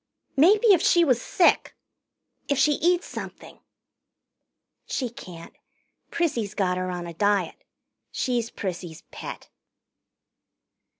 "Maybe if she was sick if she eats something " "She can't. Prissy's got her on a diet. She's Prissy's pet."